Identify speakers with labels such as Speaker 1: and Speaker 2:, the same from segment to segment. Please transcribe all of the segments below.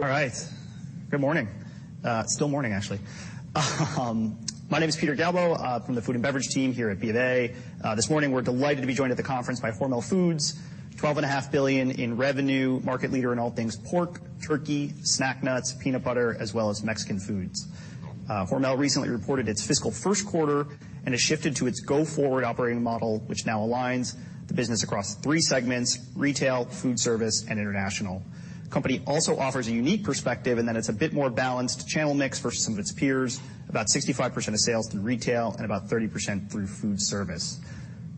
Speaker 1: All right. Good morning. It's still morning, actually. My name is Peter Galbo, from the food and beverage team here at BofA. This morning we're delighted to be joined at the conference by Hormel Foods, $12.5 billion in revenue, market leader in all things pork, turkey, snack nuts, peanut butter, as well as Mexican foods. Hormel recently reported its fiscal first quarter and has shifted to its go-forward operating model, which now aligns the business across three segments: Retail, Foodservice, and International. Company also offers a unique perspective in that it's a bit more balanced channel mix versus some of its peers, about 65% of sales through Retail and about 30% through Foodservice.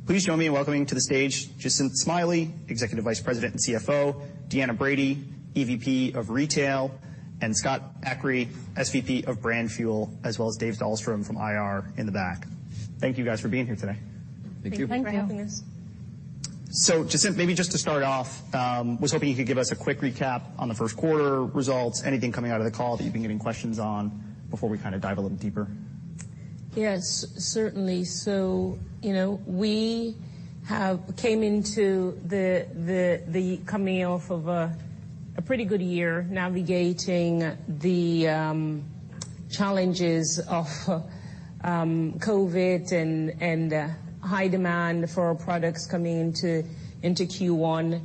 Speaker 1: Please join me in welcoming to the stage Jacinth Smiley, Executive Vice President and CFO, Deanna Brady, EVP of Retail, and Scott Aakre, SVP of Brand Fuel, as well as David Dahlstrom from IR in the back. Thank you guys for being here today.
Speaker 2: Thank you.
Speaker 3: Thank you for having us.
Speaker 1: Jacinth, maybe just to start off, was hoping you could give us a quick recap on the first quarter results, anything coming out of the call that you've been getting questions on before we kind of dive a little deeper.
Speaker 3: Yes, certainly. You know, we came into the coming off of a pretty good year navigating the challenges of COVID and high demand for our products coming into Q1.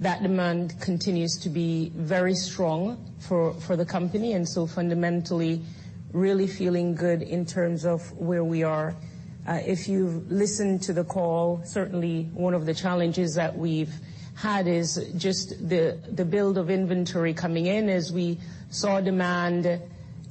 Speaker 3: That demand continues to be very strong for the company, so fundamentally really feeling good in terms of where we are. If you listened to the call, certainly one of the challenges that we've had is just the build of inventory coming in. As we saw demand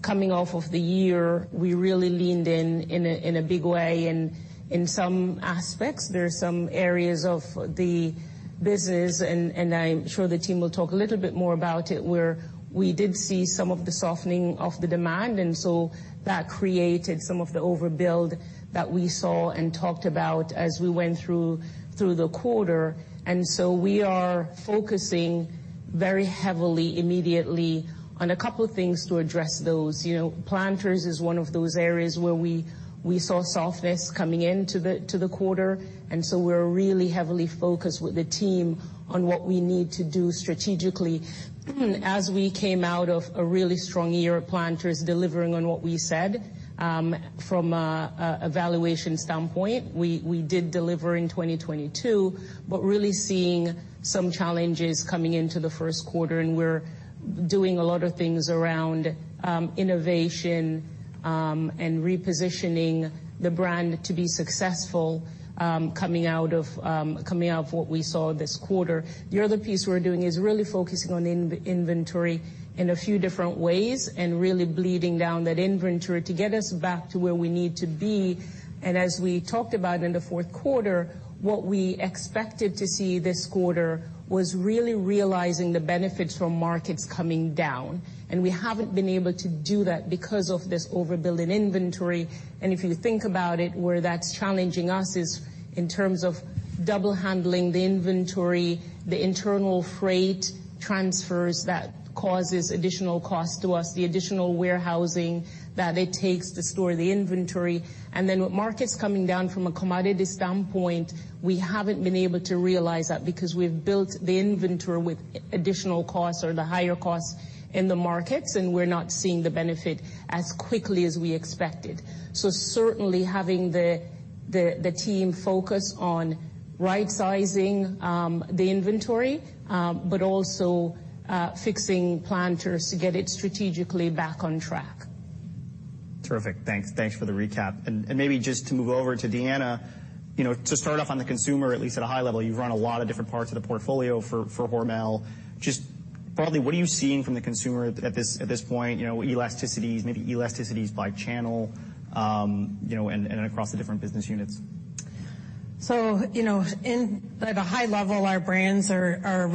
Speaker 3: coming off of the year, we really leaned in a big way and in some aspects. There are some areas of the business, and I'm sure the team will talk a little bit more about it, where we did see some of the softening of the demand. That created some of the overbuild that we saw and talked about as we went through the quarter. We are focusing very heavily immediately on a couple of things to address those. You know, PLANTERS is one of those areas where we saw softness coming into the quarter. We're really heavily focused with the team on what we need to do strategically as we came out of a really strong year of PLANTERS delivering on what we said, from a valuation standpoint. We did deliver in 2022, but really seeing some challenges coming into the first quarter, and we're doing a lot of things around innovation and repositioning the brand to be successful coming out of what we saw this quarter. The other piece we're doing is really focusing on inventory in a few different ways and really bleeding down that inventory to get us back to where we need to be. As we talked about in the fourth quarter, what we expected to see this quarter was really realizing the benefits from markets coming down. We haven't been able to do that because of this overbuild in inventory. If you think about it, where that's challenging us is in terms of double handling the inventory, the internal freight transfers that causes additional cost to us, the additional warehousing that it takes to store the inventory. With markets coming down from a commodity standpoint, we haven't been able to realize that because we've built the inventory with additional costs or the higher costs in the markets, and we're not seeing the benefit as quickly as we expected. Certainly having the team focus on right-sizing the inventory, but also fixing PLANTERS to get it strategically back on track.
Speaker 1: Terrific. Thanks. Thanks for the recap. Maybe just to move over to Deanna, you know, to start off on the consumer, at least at a high level, you've run a lot of different parts of the portfolio for Hormel. Just broadly, what are you seeing from the consumer at this point, you know, elasticities, maybe elasticities by channel, you know, across the different business units?
Speaker 2: You know, in, at a high level, our brands are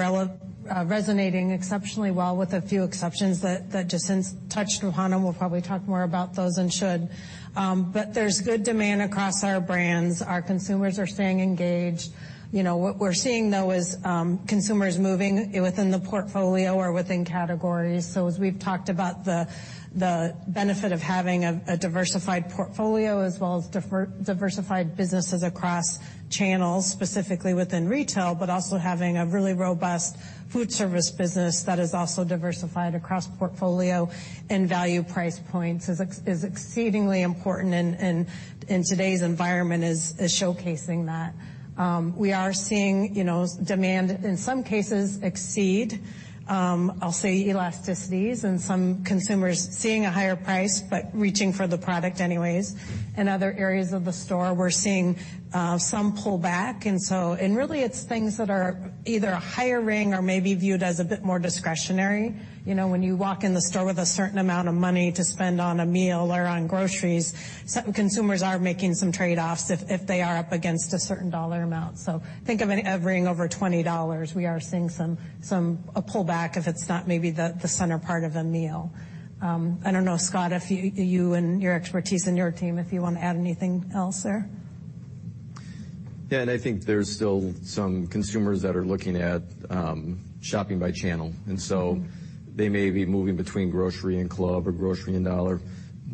Speaker 2: resonating exceptionally well with a few exceptions that Jacinth touched upon, and we'll probably talk more about those and should. There's good demand across our brands. Our consumers are staying engaged. You know, what we're seeing, though, is consumers moving within the portfolio or within categories. As we've talked about the benefit of having a diversified portfolio as well as diversified businesses across channels, specifically within Retail, but also having a really robust Foodservice business that is also diversified across portfolio and value price points is exceedingly important and today's environment is showcasing that. We are seeing, you know, demand in some cases exceed, I'll say elasticities and some consumers seeing a higher price, but reaching for the product anyways. In other areas of the store, we're seeing some pull back. Really it's things that are either higher ring or maybe viewed as a bit more discretionary. You know, when you walk in the store with a certain amount of money to spend on a meal or on groceries, some consumers are making some trade-offs if they are up against a certain dollar amount. Think of anything over $20, we are seeing some a pull back if it's not maybe the center part of a meal. I don't know, Scott, if you and your expertise and your team, if you wanna add anything else there.
Speaker 4: Yeah, I think there's still some consumers that are looking at shopping by channel. They may be moving between Grocery and Club or Grocery and Dollar.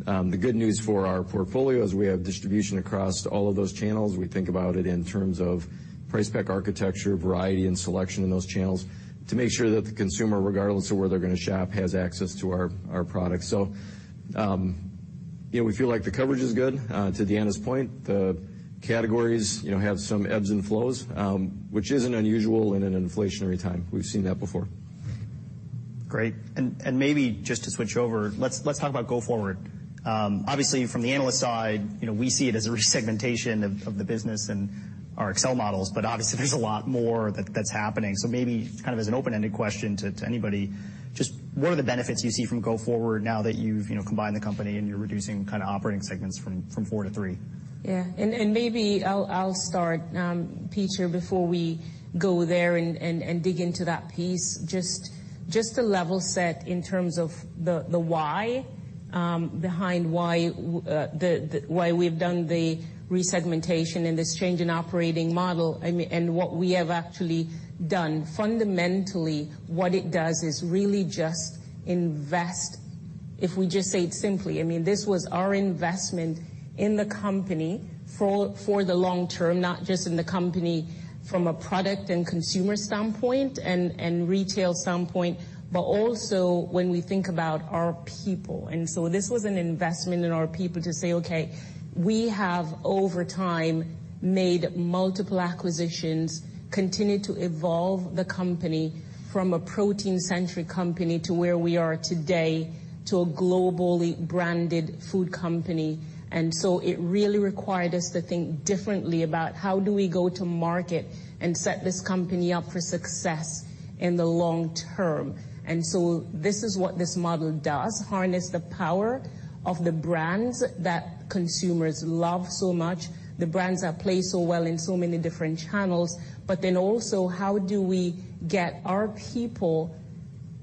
Speaker 4: The good news for our portfolio is we have distribution across all of those channels. We think about it in terms of price pack architecture, variety, and selection in those channels to make sure that the consumer, regardless of where they're gonna shop, has access to our products. You know, we feel like the coverage is good. To Deanna's point, the categories, you know, have some ebbs and flows, which isn't unusual in an inflationary time. We've seen that before.
Speaker 1: Great. Maybe just to switch over, let's talk about go-forward. Obviously from the analyst side, you know, we see it as a re-segmentation of the business and our Excel models, but obviously there's a lot more that's happening. Maybe kind of as an open-ended question to anybody, just what are the benefits you see from go-forward now that you've, you know, combined the company and you're reducing kind of operating segments from four to three?
Speaker 3: Yeah. Maybe I'll start, Peter, before we go there and dig into that piece, just to level set in terms of the why behind why we've done the re-segmentation and this change in operating model and what we have actually done. Fundamentally, what it does is really just invest, if we just say it simply, I mean, this was our investment in the company for the long term, not just in the company from a product and consumer standpoint and retail standpoint, but also when we think about our people. So this was an investment in our people to say, okay, we have over time made multiple acquisitions, continued to evolve the company from a protein-centric company to where we are today, to a globally branded food company. It really required us to think differently about how do we go to market and set this company up for success in the long term. This is what this model does, harness the power of the brands that consumers love so much, the brands that play so well in so many different channels, but then also how do we get our people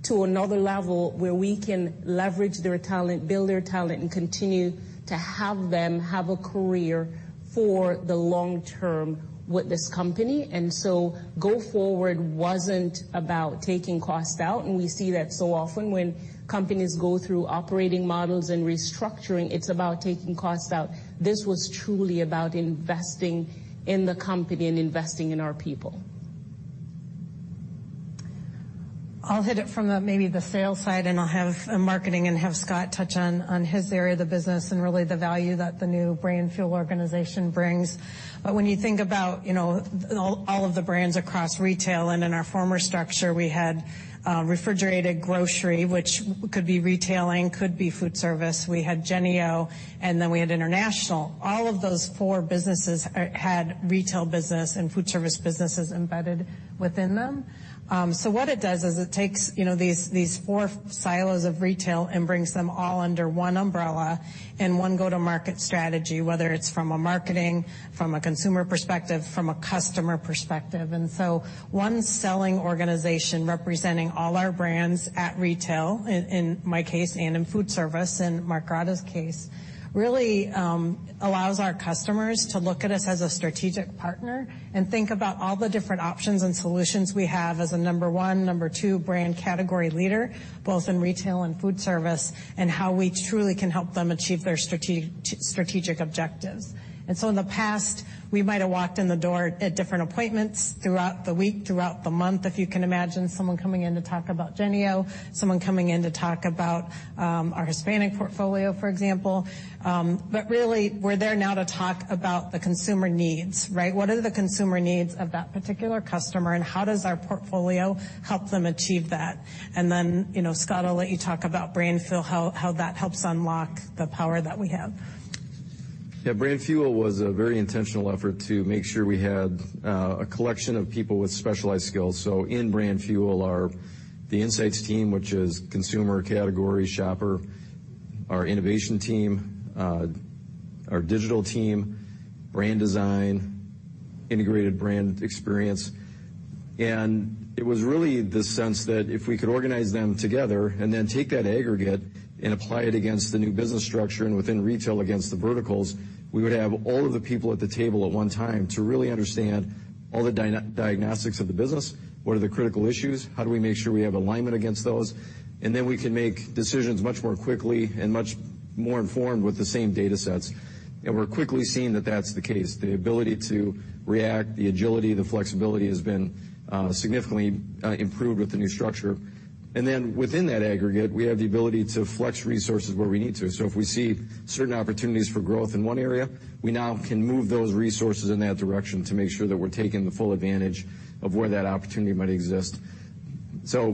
Speaker 3: to another level where we can leverage their talent, build their talent, and continue to have them have a career for the long term with this company. Go-forward wasn't about taking cost out, and we see that so often when companies go through operating models and restructuring, it's about taking costs out. This was truly about investing in the company and investing in our people.
Speaker 2: I'll hit it from the, maybe the sales side, and I'll have marketing and have Scott touch on his area of the business and really the value that the new Brand Fuel organization brings. When you think about, you know, all of the brands across Retail and in our former structure, we had refrigerated grocery, which could be Retailing, could be Foodservice. We had JENNIE-O, and then we had International. All of those four businesses had Retail business and Foodservice businesses embedded within them. What it does is it takes, you know, these four silos of Retail and brings them all under one umbrella and one go-to-market strategy, whether it's from a marketing, from a consumer perspective, from a customer perspective. One selling organization representing all our brands at Retail, in my case, and in Foodservice, in Marcato's case, really allows our customers to look at us as a strategic partner and think about all the different options and solutions we have as a number one, number two brand category leader, both in Retail and Foodservice, and how we truly can help them achieve their strategic objectives. In the past, we might have walked in the door at different appointments throughout the week, throughout the month, if you can imagine someone coming in to talk about JENNIE-O, someone coming in to talk about our Hispanic portfolio, for example. But really we're there now to talk about the consumer needs, right? What are the consumer needs of that particular customer, and how does our portfolio help them achieve that? You know, Scott, I'll let you talk about Brand Fuel, how that helps unlock the power that we have.
Speaker 4: Yeah. Brand Fuel was a very intentional effort to make sure we had a collection of people with specialized skills. In Brand Fuel, the insights team, which is consumer, category, shopper, our innovation team, our digital team, brand design, integrated brand experience. It was really the sense that if we could organize them together and then take that aggregate and apply it against the new business structure and within Retail against the verticals, we would have all of the people at the table at one time to really understand all the diagnostics of the business. What are the critical issues? How do we make sure we have alignment against those? Then we can make decisions much more quickly and much more informed with the same data sets. We're quickly seeing that that's the case. The ability to react, the agility, the flexibility has been significantly improved with the new structure. Within that aggregate, we have the ability to flex resources where we need to. If we see certain opportunities for growth in one area, we now can move those resources in that direction to make sure that we're taking the full advantage of where that opportunity might exist. You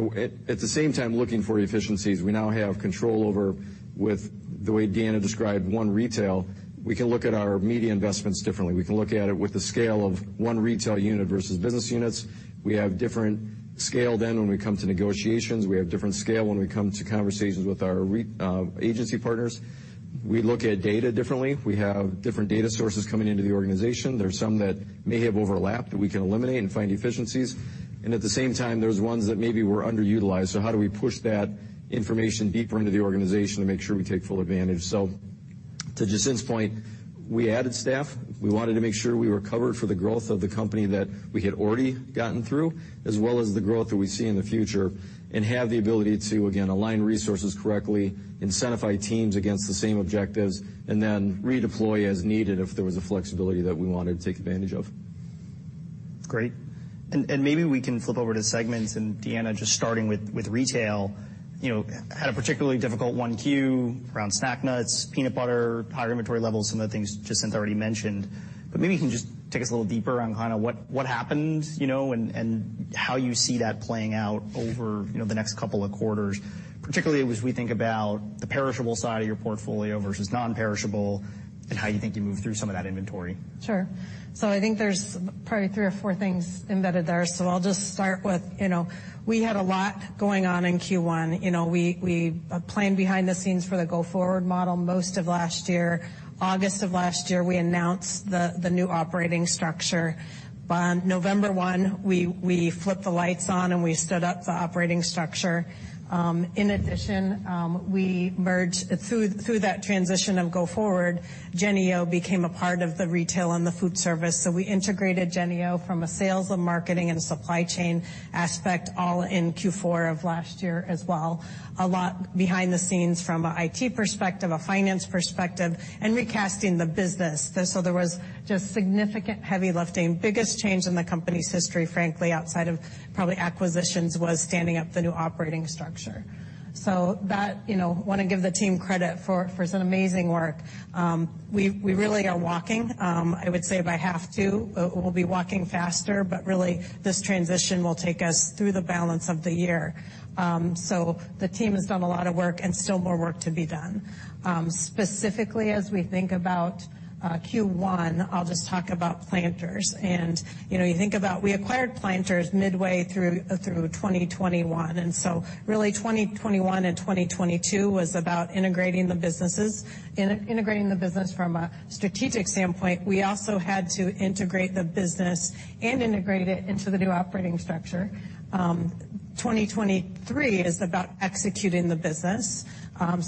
Speaker 4: know, at the same time, looking for efficiencies, we now have control over with the way Deanna described one Retail, we can look at our media investments differently. We can look at it with the scale of one Retail unit versus business units. We have different scale then when we come to negotiations. We have different scale when we come to conversations with our agency partners. We look at data differently. We have different data sources coming into the organization. There's some that may have overlap that we can eliminate and find efficiencies. At the same time, there's ones that maybe were underutilized. How do we push that information deeper into the organization to make sure we take full advantage? To Jacinth's point, we added staff. We wanted to make sure we were covered for the growth of the company that we had already gotten through, as well as the growth that we see in the future, and have the ability to, again, align resources correctly, incentivize teams against the same objectives, and then redeploy as needed if there was a flexibility that we wanted to take advantage of.
Speaker 1: Great. Maybe we can flip over to segments, and Deanna, just starting with Retail, you know, had a particularly difficult 1Q around snack nuts, peanut butter, higher inventory levels, some of the things Jacinth already mentioned. Maybe you can just take us a little deeper on kinda what happened, you know, and how you see that playing out over, you know, the next couple of quarters, particularly as we think about the perishable side of your portfolio versus non-perishable, and how you think you move through some of that inventory.
Speaker 2: Sure. I think there's probably three or four things embedded there, I'll just start with, you know, we had a lot going on in Q1. You know, we planned behind the scenes for the go-forward model most of last year. August of last year, we announced the new operating structure. On November 1, we flipped the lights on and we stood up the operating structure. In addition, we merged through that transition of go-forward, JENNIE-O became a part of the Retail and the Foodservice. We integrated JENNIE-O from a sales and marketing and supply chain aspect all in Q4 of last year as well. A lot behind the scenes from an IT perspective, a finance perspective, and recasting the business. There was just significant heavy lifting. Biggest change in the company's history, frankly, outside of probably acquisitions, was standing up the new operating structure. That, you know, wanna give the team credit for some amazing work. We really are walking. I would say if I have to, we'll be walking faster, but really this transition will take us through the balance of the year. The team has done a lot of work and still more work to be done. Specifically as we think about Q1, I'll just talk about PLANTERS. You know, you think about we acquired PLANTERS midway through 2021, really 2021 and 2022 was about integrating the businesses. Integrating the business from a strategic standpoint, we also had to integrate the business and integrate it into the new operating structure. 2023 is about executing the business,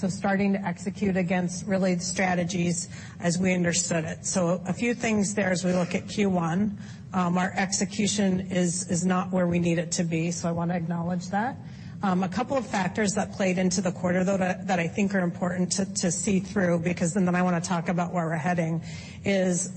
Speaker 2: starting to execute against related strategies as we understood it. A few things there as we look at Q1, our execution is not where we need it to be, so I wanna acknowledge that. A couple of factors that played into the quarter, though, that I think are important to see through, because and then I wanna talk about where we're heading, is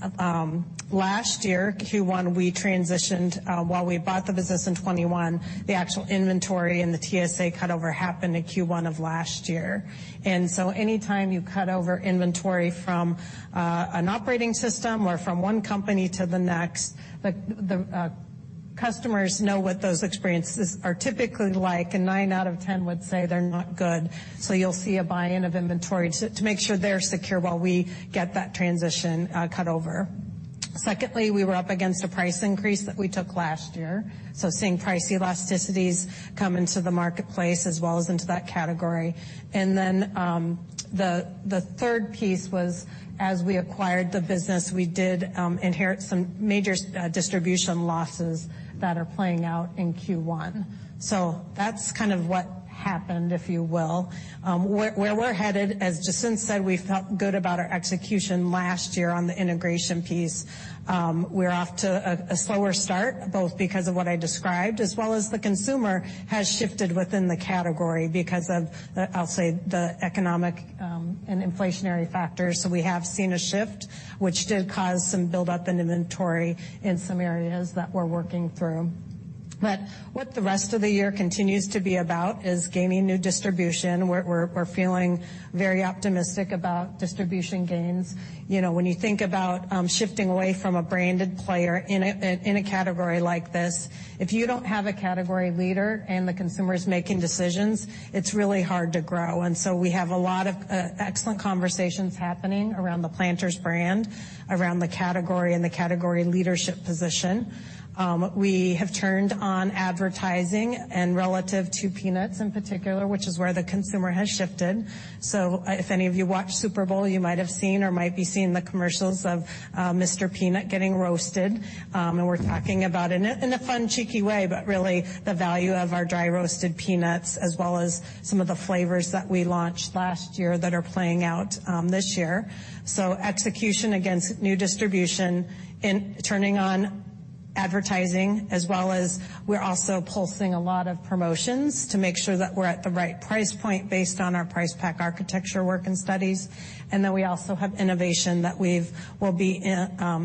Speaker 2: last year, Q1, we transitioned, while we bought the business in 2021, the actual inventory and the TSA cutover happened in Q1 of last year. Any time you cut over inventory from an operating system or from one company to the next, the customers know what those experiences are typically like, and nine out of 10 would say they're not good. You'll see a buy-in of inventory to make sure they're secure while we get that transition cut over. Secondly, we were up against a price increase that we took last year, seeing price elasticities come into the marketplace as well as into that category. Then, the third piece was, as we acquired the business, we did inherit some major distribution losses that are playing out in Q1. That's kind of what happened, if you will. Where we're headed, as Jacinth said, we felt good about our execution last year on the integration piece. We're off to a slower start, both because of what I described, as well as the consumer has shifted within the category because of, I'll say, the economic and inflationary factors. We have seen a shift which did cause some buildup in inventory in some areas that we're working through. What the rest of the year continues to be about is gaining new distribution. We're feeling very optimistic about distribution gains. You know, when you think about shifting away from a branded player in a category like this, if you don't have a category leader and the consumer's making decisions, it's really hard to grow. We have a lot of excellent conversations happening around the PLANTERS brand, around the category and the category leadership position. We have turned on advertising and relative to peanuts in particular, which is where the consumer has shifted. If any of you watched Super Bowl, you might have seen or might be seeing the commercials of MR. PEANUT getting roasted. We're talking about in a, in a fun, cheeky way, but really the value of our dry roasted peanuts as well as some of the flavors that we launched last year that are playing out this year. Execution against new distribution in turning on advertising as well as we're also pulsing a lot of promotions to make sure that we're at the right price point based on our Price-Pack Architecture work and studies. We also have innovation that we'll be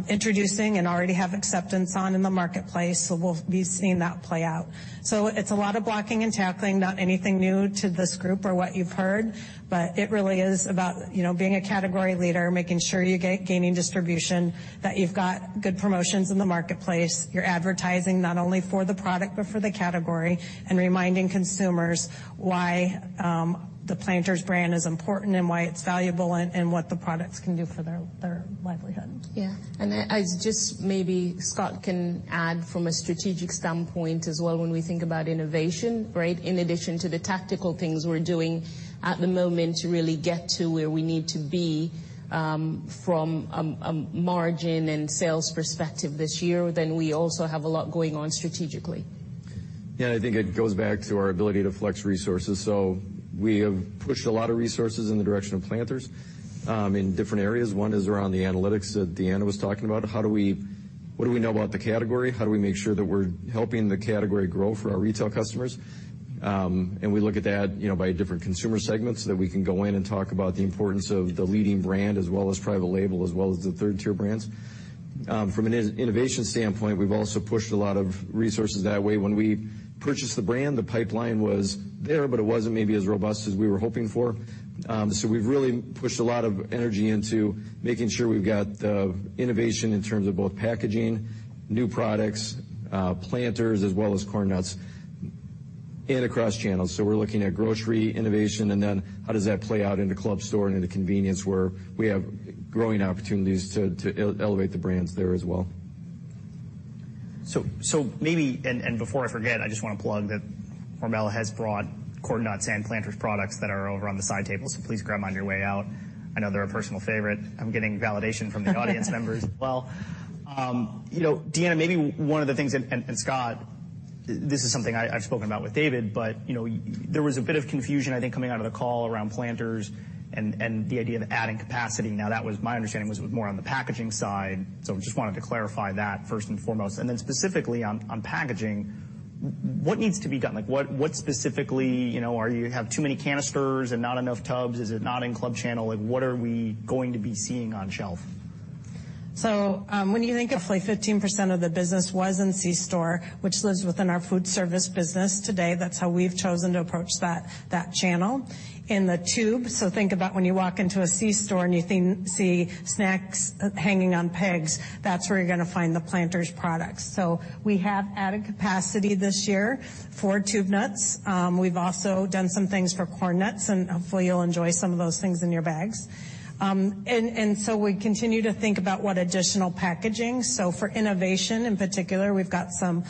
Speaker 2: introducing and already have acceptance on in the marketplace, so we'll be seeing that play out. It's a lot of blocking and tackling, not anything new to this group or what you've heard, but it really is about, you know, being a category leader, making sure you're gaining distribution, that you've got good promotions in the marketplace. You're advertising not only for the product but for the category, and reminding consumers why, the PLANTERS brand is important and why it's valuable and what the products can do for their livelihood.
Speaker 3: Yeah. As just maybe Scott can add from a strategic standpoint as well when we think about innovation, right? In addition to the tactical things we're doing at the moment to really get to where we need to be, from a margin and sales perspective this year, we also have a lot going on strategically.
Speaker 4: Yeah, I think it goes back to our ability to flex resources. We have pushed a lot of resources in the direction of PLANTERS, in different areas. One is around the analytics that Deanna was talking about. What do we know about the category? How do we make sure that we're helping the category grow for our Retail customers? We look at that, you know, by different consumer segments, that we can go in and talk about the importance of the leading brand as well as private label as well as the third-tier brands. From an innovation standpoint, we've also pushed a lot of resources that way. When we purchased the brand, the pipeline was there, but it wasn't maybe as robust as we were hoping for. We've really pushed a lot of energy into making sure we've got the innovation in terms of both packaging, new products, PLANTERS as well as CORN NUTS and across channels. We're looking at grocery innovation, and then how does that play out into club store and into convenience, where we have growing opportunities to elevate the brands there as well.
Speaker 1: Maybe and before I forget, I just wanna applaud that Hormel has brought CORN NUTS and PLANTERS products that are over on the side tables. Please grab them on your way out. I know they're a personal favorite. I'm getting validation from the audience members as well. You know, Deanna, maybe one of the things, and Scott, this is something I've spoken about with David, but, you know, there was a bit of confusion, I think, coming out of the call around PLANTERS and the idea of adding capacity. Now that was my understanding was more on the packaging side. Just wanted to clarify that first and foremost. Specifically on packaging, what needs to be done? Like, what specifically, you know, are you have too many canisters and not enough tubs? Is it not in club channel? Like, what are we going to be seeing on shelf?
Speaker 2: When you think of like 15% of the business was in c-store, which lives within our Foodservice business today, that's how we've chosen to approach that channel. In the tube, think about when you walk into a c-store and you see snacks hanging on pegs, that's where you're gonna find the PLANTERS products. We have added capacity this year for tube nuts. We've also done some things for CORN NUTS, and hopefully you'll enjoy some of those things in your bags. And so we continue to think about what additional packaging. For innovation in particular, we've got some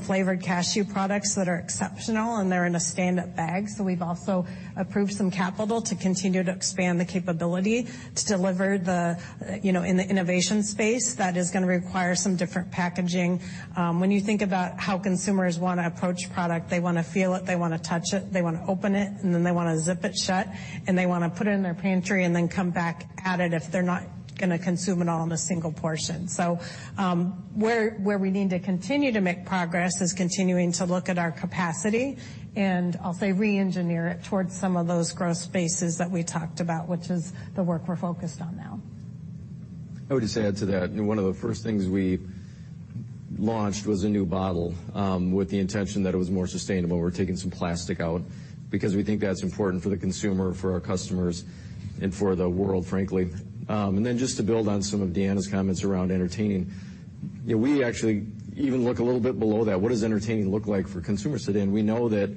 Speaker 2: flavored cashew products that are exceptional, and they're in a standup bag. We've also approved some capital to continue to expand the capability to deliver the, you know, in the innovation space that is gonna require some different packaging. When you think about how consumers wanna approach product. They wanna feel it, they wanna touch it, they wanna open it, and then they wanna zip it shut, and they wanna put it in their pantry and then come back at it if they're not gonna consume it all in a single portion. Where we need to continue to make progress is continuing to look at our capacity, and I'll say reengineer it towards some of those growth spaces that we talked about, which is the work we're focused on now.
Speaker 4: I would just add to that, one of the first things we launched was a new bottle, with the intention that it was more sustainable. We're taking some plastic out because we think that's important for the consumer, for our customers, and for the world, frankly. Just to build on some of Deanna's comments around entertaining. You know, we actually even look a little bit below that. What does entertaining look like for consumers today? We know that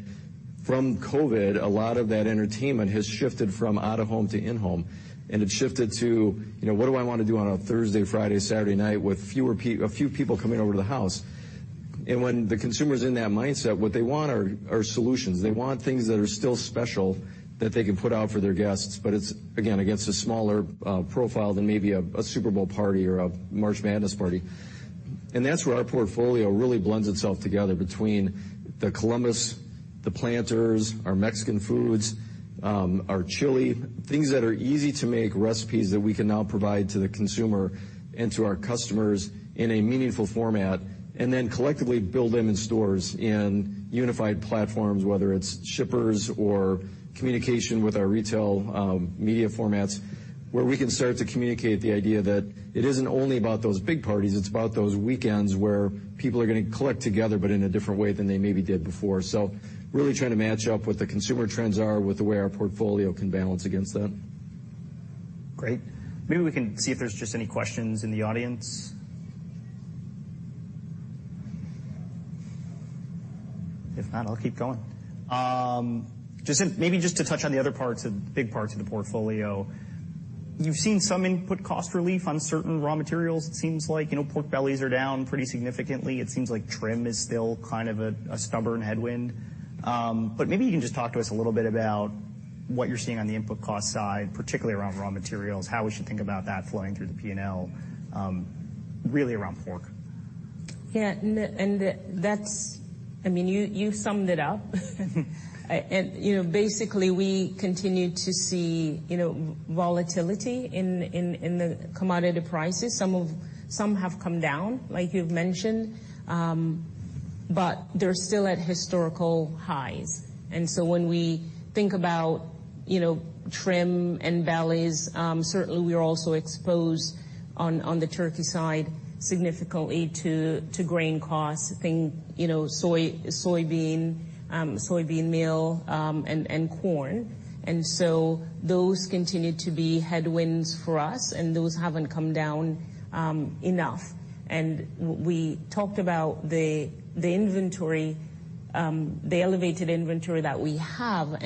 Speaker 4: from COVID, a lot of that entertainment has shifted from out of home to in-home, and it shifted to, you know, what do I wanna do on a Thursday, Friday, Saturday night with a few people coming over to the house. When the consumer's in that mindset, what they want are solutions. They want things that are still special that they can put out for their guests, but it's again, against a smaller profile than maybe a Super Bowl party or a March Madness party. That's where our portfolio really blends itself together between the Columbus, the PLANTERS, our Mexican foods, our chili, things that are easy-to-make recipes that we can now provide to the consumer and to our customers in a meaningful format. Collectively build them in stores in unified platforms, whether it's shippers or communication with our Retail, media formats, where we can start to communicate the idea that it isn't only about those big parties, it's about those weekends where people are gonna collect together, but in a different way than they maybe did before. Really trying to match up what the consumer trends are with the way our portfolio can balance against that.
Speaker 1: Great. Maybe we can see if there's just any questions in the audience. If not, I'll keep going. Maybe just to touch on the other big parts of the portfolio. You've seen some input cost relief on certain raw materials, it seems like. You know, pork bellies are down pretty significantly. It seems like trim is still kind of a stubborn headwind. Maybe you can just talk to us a little bit about what you're seeing on the input cost side, particularly around raw materials, how we should think about that flowing through the P&L, really around pork.
Speaker 3: Yeah. I mean, you summed it up. You know, basically, we continue to see, you know, volatility in the commodity prices. Some have come down, like you've mentioned, but they're still at historical highs. When we think about, you know, trim and bellies, certainly we are also exposed on the turkey side significantly to grain costs. Think, you know, soybean meal, and corn. Those continue to be headwinds for us, and those haven't come down enough. We talked about the inventory, the elevated inventory that we have.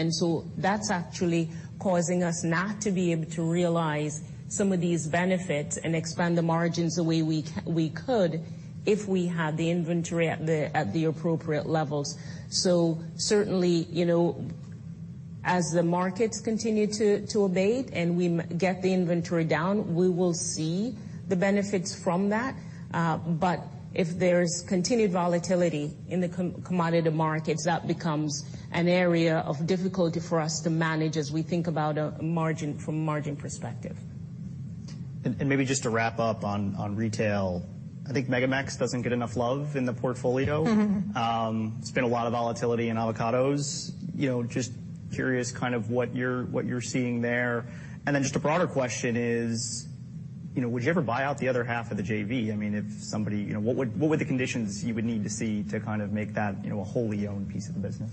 Speaker 3: That's actually causing us not to be able to realize some of these benefits and expand the margins the way we could if we had the inventory at the appropriate levels. Certainly, you know, as the markets continue to abate and we get the inventory down, we will see the benefits from that. but if there's continued volatility in the commodity markets, that becomes an area of difficulty for us to manage as we think about a margin perspective.
Speaker 1: Maybe just to wrap up on Retail, I think MegaMex doesn't get enough love in the portfolio. It's been a lot of volatility in avocados, you know, just curious kind of what you're seeing there. Just a broader question is, you know, would you ever buy out the other half of the JV? You know, what would the conditions you would need to see to kind of make that, you know, a WHOLLY owned piece of the business?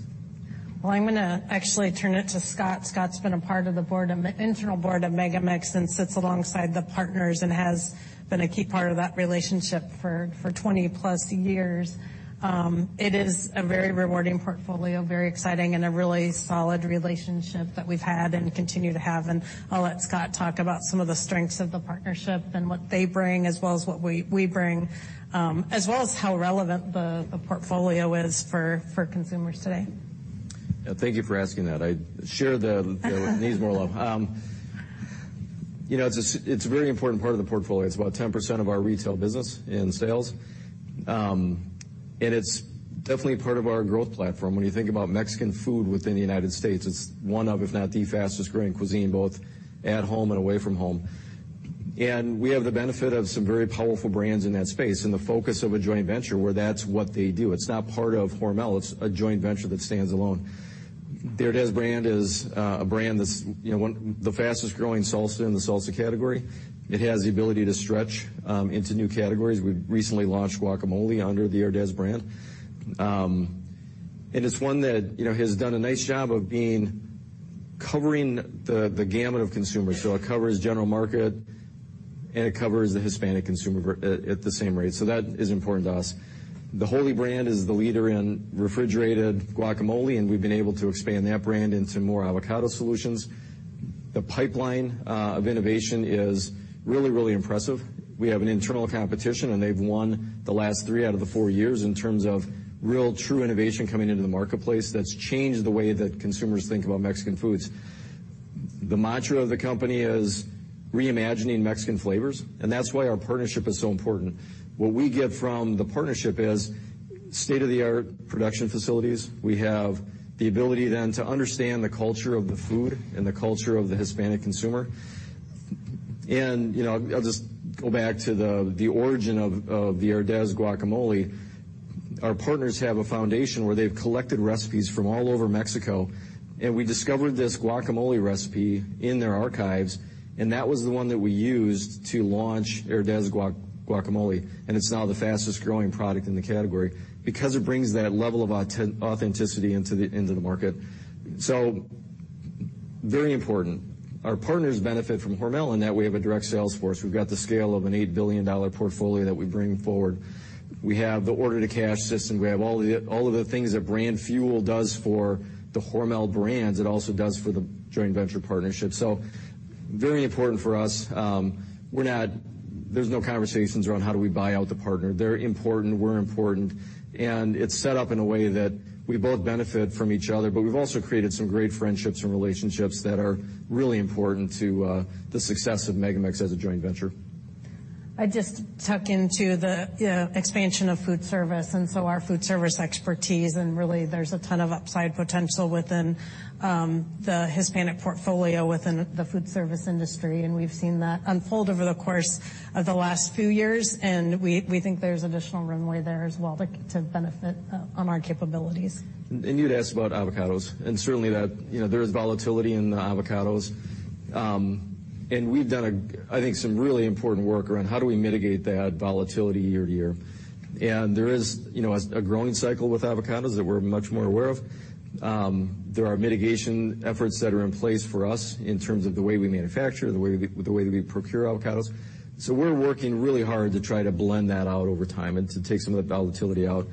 Speaker 2: I'm gonna actually turn it to Scott. Scott's been a part of the board, of the internal board of MegaMex and sits alongside the partners and has been a key part of that relationship for 20+ years. It is a very rewarding portfolio, very exciting, and a really solid relationship that we've had and continue to have. I'll let Scott talk about some of the strengths of the partnership and what they bring as well as what we bring, as well as how relevant the portfolio is for consumers today.
Speaker 4: Yeah, thank you for asking that. I share the need more love. You know, it's a very important part of the portfolio. It's about 10% of our Retail business in sales. It's definitely part of our growth platform. When you think about Mexican food within the United States, it's one of, if not the fastest growing cuisine, both at home and away from home. We have the benefit of some very powerful brands in that space and the focus of a joint venture where that's what they do. It's not part of Hormel, it's a joint venture that stands alone. The HERDEZ brand is a brand that's, you know, the fastest growing salsa in the salsa category. It has the ability to stretch into new categories. We've recently launched guacamole under the HERDEZ brand. It's one that, you know, has done a nice job of covering the gamut of consumers. It covers general market and it covers the Hispanic consumer at the same rate. That is important to us. The WHOLLY brand is the leader in refrigerated guacamole, and we've been able to expand that brand into more avocado solutions. The pipeline of innovation is really impressive. We have an internal competition, they've won the last three out of the four years in terms of real true innovation coming into the marketplace that's changed the way that consumers think about Mexican foods. The mantra of the company is reimagining Mexican flavors, that's why our partnership is so important. What we get from the partnership is state-of-the-art production facilities. We have the ability then to understand the culture of the food and the culture of the Hispanic consumer. You know, I'll just go back to the origin of the HERDEZ guacamole. Our partners have a foundation where they've collected recipes from all over Mexico. We discovered this guacamole recipe in their archives, and that was the one that we used to launch HERDEZ guacamole, and it's now the fastest growing product in the category because it brings that level of authenticity into the market. Very important. Our partners benefit from Hormel in that we have a direct sales force. We've got the scale of an $8 billion portfolio that we bring forward. We have the order-to-cash system. We have all of the things that Brand Fuel does for the Hormel brands, it also does for the joint venture partnership. Very important for us. There's no conversations around how do we buy out the partner. They're important, we're important, and it's set up in a way that we both benefit from each other, but we've also created some great friendships and relationships that are really important to the success of MegaMex as a joint venture.
Speaker 2: I just tuck into the expansion of Foodservice and so our Foodservice expertise, and really there's a ton of upside potential within the Hispanic portfolio within the Foodservice industry, and we've seen that unfold over the course of the last few years, and we think there's additional runway there as well to benefit on our capabilities.
Speaker 4: You'd asked about avocados and certainly that, you know, there's volatility in the avocados. We've done I think some really important work around how do we mitigate that volatility year to year. There is, you know, a growing cycle with avocados that we're much more aware of. There are mitigation efforts that are in place for us in terms of the way we manufacture, the way that we procure avocados. We're working really hard to try to blend that out over time and to take some of the volatility out.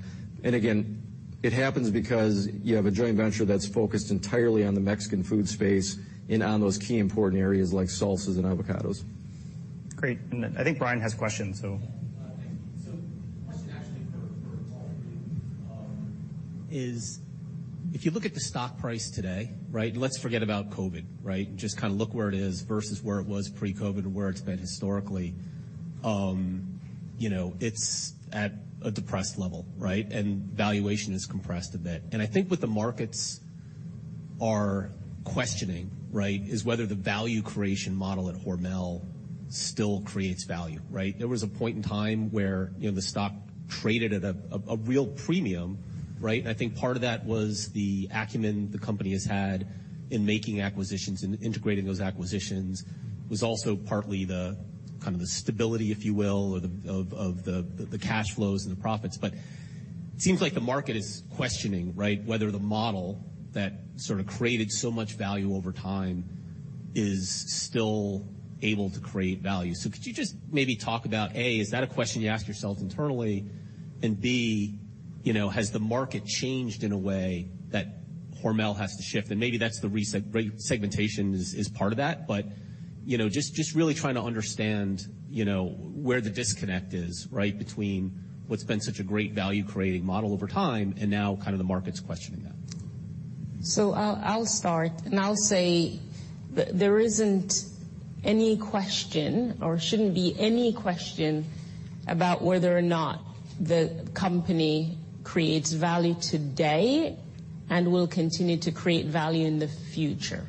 Speaker 4: Again, it happens because you have a joint venture that's focused entirely on the Mexican food space and on those key important areas like salsas and avocados.
Speaker 1: Great. I think Brian has questions, so.
Speaker 5: Thanks. Question actually for all of you, is if you look at the stock price today, right? Let's forget about COVID, right? Just kind of look where it is versus where it was pre-COVID and where it's been historically. You know, it's at a depressed level, right? Valuation is compressed a bit. I think what the markets are questioning, right, is whether the value creation model at Hormel still creates value, right? There was a point in time where, you know, the stock traded at a real premium, right? I think part of that was the acumen the company has had in making acquisitions and integrating those acquisitions. Was also partly the, kind of the stability, if you will, of the cash flows and the profits. Seems like the market is questioning, right, whether the model that sort of created so much value over time is still able to create value. Could you just maybe talk about, A, is that a question you ask yourselves internally, and B, you know, has the market changed in a way that Hormel has to shift? Maybe that's the reset, segmentation is part of that. You know, just really trying to understand, you know, where the disconnect is, right, between what's been such a great value-creating model over time and now kind of the market's questioning that.
Speaker 3: I'll start, and I'll say there isn't any question or shouldn't be any question about whether or not the company creates value today and will continue to create value in the future.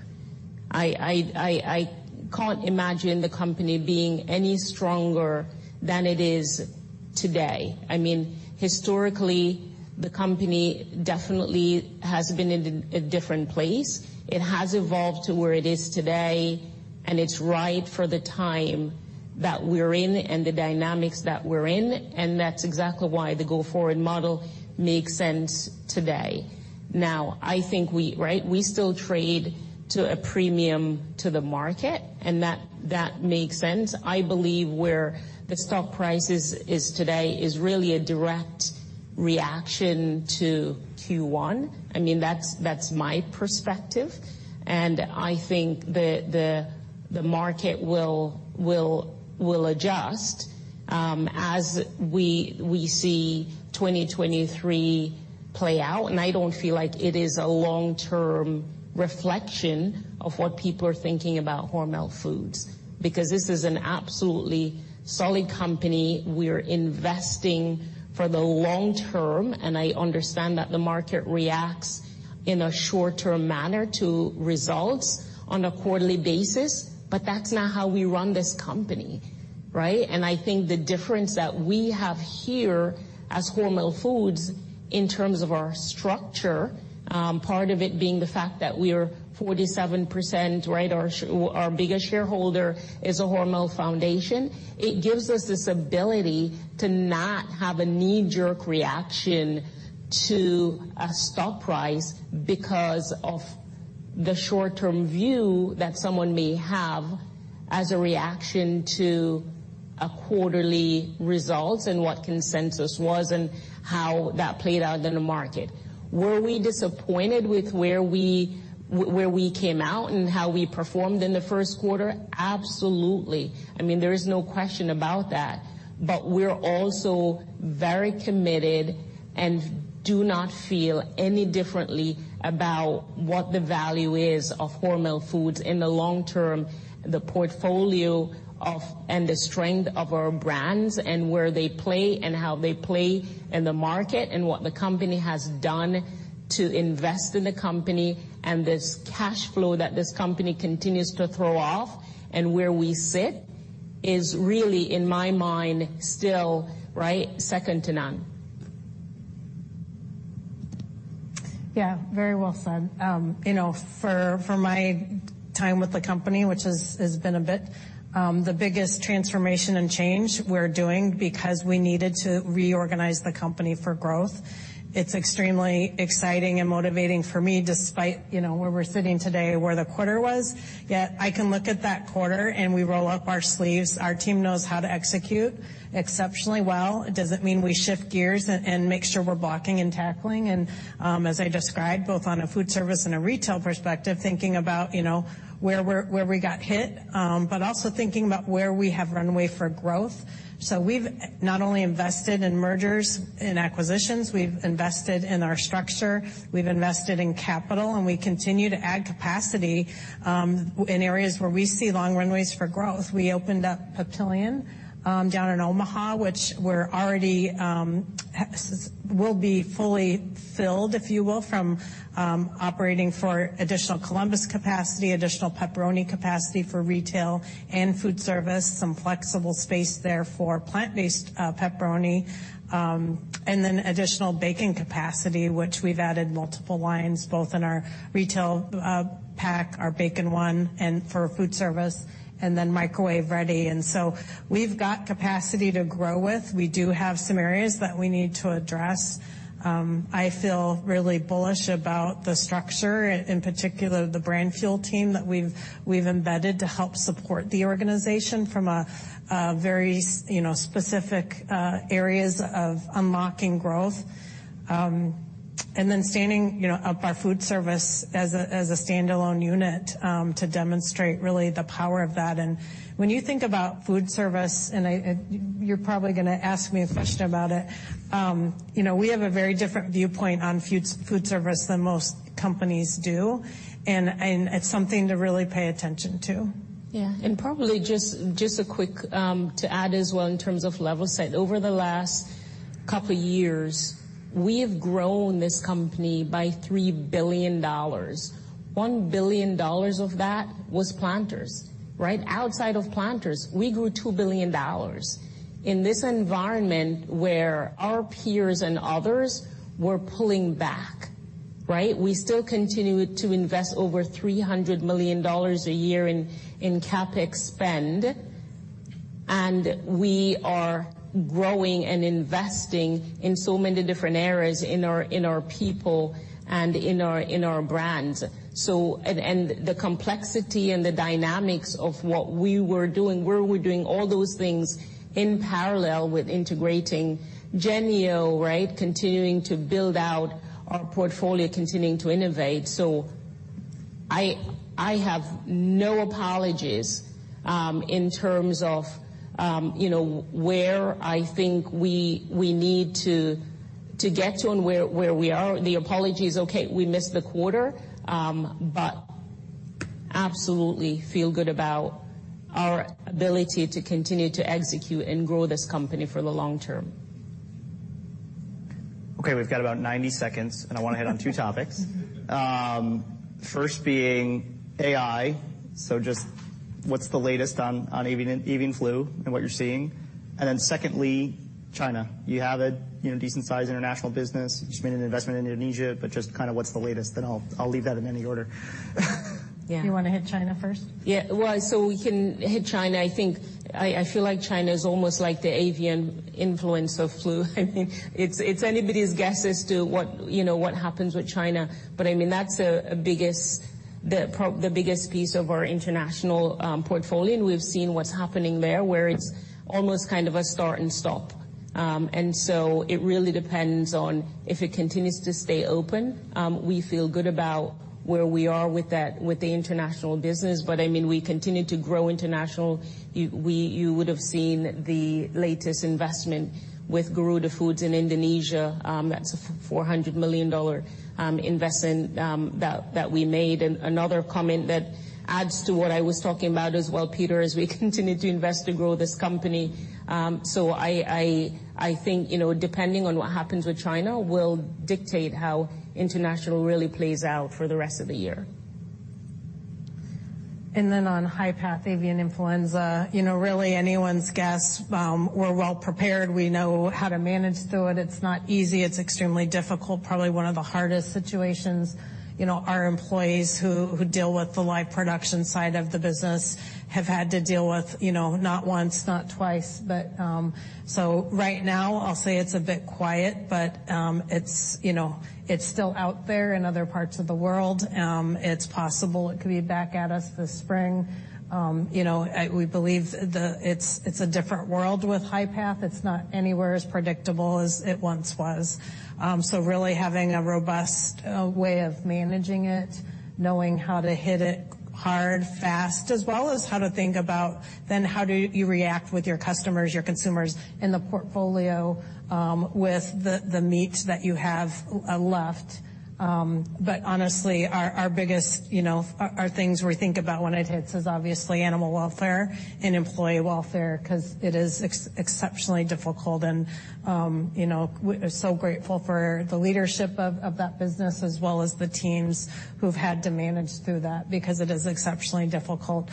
Speaker 3: I can't imagine the company being any stronger than it is today. I mean, historically, the company definitely has been in a different place. It has evolved to where it is today, and it's right for the time that we're in and the dynamics that we're in, and that's exactly why the go-forward model makes sense today. Now, I think. Right? We still trade to a premium to the market, and that makes sense. I believe where the stock price is today is really a direct reaction to Q1. I mean, that's my perspective. I think the market will adjust as we see 2023 play out, and I don't feel like it is a long-term reflection of what people are thinking about Hormel Foods because this is an absolutely solid company. We're investing for the long term, and I understand that the market reacts in a short-term manner to results on a quarterly basis, but that's not how we run this company, right? I think the difference that we have here as Hormel Foods in terms of our structure, part of it being the fact that we're 47%, right, our biggest shareholder is a Hormel Foundation, it gives us this ability to not have a knee-jerk reaction to a stock price because of the short-term view that someone may have as a reaction to a quarterly result and what consensus was and how that played out in the market. Were we disappointed with where we came out and how we performed in the first quarter? Absolutely. I mean, there is no question about that. We're also very committed and do not feel any differently about what the value is of Hormel Foods in the long term, the portfolio of, and the strength of our brands and where they play and how they play in the market and what the company has done to invest in the company and this cash flow that this company continues to throw off and where we sit is really, in my mind, still, right, second to none.
Speaker 2: Yeah. Very well said. You know, for my time with the company, which has been a bit, the biggest transformation and change we're doing because we needed to reorganize the company for growth, it's extremely exciting and motivating for me despite, you know, where we're sitting today, where the quarter was, yet I can look at that quarter and we roll up our sleeves. Our team knows how to execute exceptionally well. It doesn't mean we shift gears and make sure we're blocking and tackling and, as I described, both on a Foodservice and a Retail perspective, thinking about, you know, where we got hit, but also thinking about where we have runway for growth. We've not only invested in mergers and acquisitions, we've invested in our structure, we've invested in capital, and we continue to add capacity in areas where we see long runways for growth. We opened up Papillion down in Omaha, which we're already will be fully filled, if you will, from operating for additional Columbus capacity, additional pepperoni capacity for Retail and Foodservice, some flexible space there for plant-based pepperoni, and then additional bacon capacity, which we've added multiple lines both in our Retail pack, our BACON 1, and for Foodservice, and then microwave-ready. We've got capacity to grow with. We do have some areas that we need to address. I feel really bullish about the structure, in particular the Brand Fuel team that we've embedded to help support the organization from a very, you know, specific areas of unlocking growth. Standing, you know, up our Foodservice as a standalone unit to demonstrate really the power of that. When you think about Foodservice, and I, you're probably gonna ask me a question about it, you know, we have a very different viewpoint on Foodservice than most companies do and it's something to really pay attention to.
Speaker 3: Probably just a quick, to add as well in terms of level set, over the last couple years, we have grown this company by $3 billion. $1 billion of that was PLANTERS, right? Outside of PLANTERS, we grew $2 billion in this environment where our peers and others were pulling back, right? We still continue to invest over $300 million a year in CapEx spend, and we are growing and investing in so many different areas in our people and in our brands. The complexity and the dynamics of what we were doing, where we're doing all those things in parallel with integrating JENNIE-O, right, continuing to build out our portfolio, continuing to innovate. I have no apologies, in terms of, you know, where I think we need to get to and where we are. The apology is okay, we missed the quarter. Absolutely feel good about our ability to continue to execute and grow this company for the long term.
Speaker 1: Okay, we've got about 90 seconds, and I wanna hit on two topics. First being AI. Just what's the latest on Avian flu and what you're seeing? Secondly, China. You have a, you know, decent-sized International business. You just made an investment in Indonesia, just kinda what's the latest? I'll leave that in any order.
Speaker 3: Yeah.
Speaker 2: You wanna hit China first?
Speaker 3: Well, we can hit China. I feel like China's almost like the avian influenza flu. I mean, it's anybody's guess as to what, you know, what happens with China. I mean, that's the biggest piece of our International portfolio. We've seen what's happening there, where it's almost kind of a start and stop. It really depends on if it continues to stay open. We feel good about where we are with that, with the International business. I mean, we continue to grow International. You would've seen the latest investment with Garudafood in Indonesia. That's a $400 million investment that we made. Another comment that adds to what I was talking about as well, Peter, is we continue to invest to grow this company. I think, you know, depending on what happens with China will dictate how International really plays out for the rest of the year.
Speaker 2: On high path avian influenza, you know, really anyone's guess. We're well prepared. We know how to manage through it. It's not easy. It's extremely difficult. Probably one of the hardest situations. You know, our employees who deal with the live production side of the business have had to deal with, you know, not once, not twice, but. Right now I'll say it's a bit quiet, but it's, you know, it's still out there in other parts of the world. It's possible it could be back at us this spring. You know, it's a different world with high path. It's not anywhere as predictable as it once was. Really having a robust way of managing it, knowing how to hit it hard, fast, as well as how to think about then how do you react with your customers, your consumers, and the portfolio, with the meat that you have left. Honestly, our biggest, you know, our things we think about when it hits is obviously animal welfare and employee welfare, 'cause it is exceptionally difficult. We are so grateful for the leadership of that business as well as the teams who've had to manage through that because it is exceptionally difficult.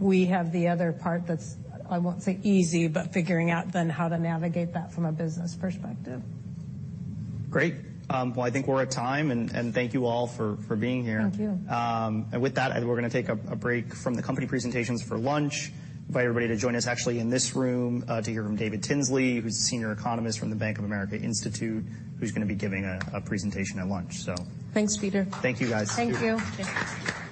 Speaker 2: We have the other part that's, I won't say easy, but figuring out then how to navigate that from a business perspective.
Speaker 1: Great. Well, I think we're at time, and thank you all for being here.
Speaker 2: Thank you.
Speaker 1: With that, we're gonna take a break from the company presentations for lunch. Invite everybody to join us actually in this room, to hear from David Tinsley, who's Senior Economist from the Bank of America Institute, who's gonna be giving a presentation at lunch.
Speaker 3: Thanks, Peter.
Speaker 1: Thank you, guys.
Speaker 2: Thank you.
Speaker 3: Thank you.